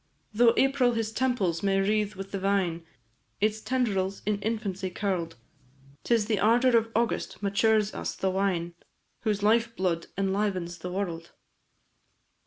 Though April his temples may wreathe with the vine, Its tendrils in infancy curl'd; 'Tis the ardour of August matures us the wine, Whose life blood enlivens the world.